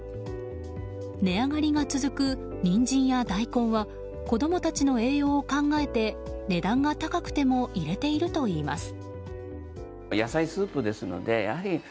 値上がりが続くニンジンや大根は子供たちの栄養を考えて値段が高くても入れているといいます。